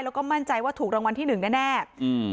แล้วก็มั่นใจว่าถูกรางวัลที่หนึ่งแน่แน่อืม